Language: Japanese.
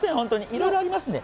いろいろありますんで。